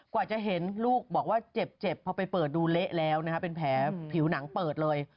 กว่าจะเห็นลูกบอกว่าเจ็บพอไปเปิดดูเละแล้วนะฮะเป็นแผลผิวหนังเปิดเลย